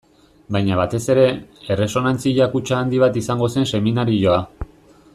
Baina batez ere, erresonantzia kutxa handi bat izango zen seminarioa.